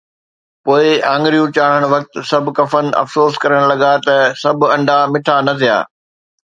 پوءِ آڱريون چاڙهڻ وقت سڀ ڪفن افسوس ڪرڻ لڳا ته سڀ انڊا مٺا نه ٿيا.